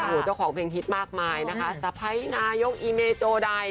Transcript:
โอ้โหเจ้าของเพลงฮิตมากมายนะคะสะพ้ายนายกอีเมโจได